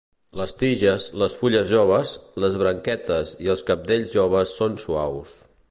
Les tiges, les fulles joves, les branquetes i els cabdells joves són suaus.